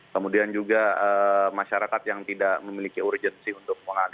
kemudian juga masyarakat yang tidak memiliki urgensi untuk mengambil